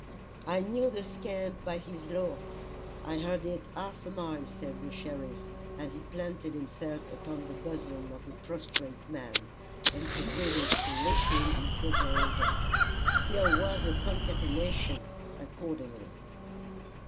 "I knew the scamp by his laugh I heard it half a mile," said the sheriff, as he planted himself upon the bosom of the prostrate man, and proceeded to leash him in proper order. Here was a concatenation accordingly.